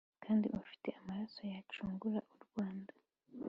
kandi ufite amaraso yacungura urwanda"